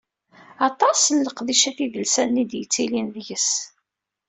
Aṭas n leqdicat idelsanen i d-yettilin deg-s.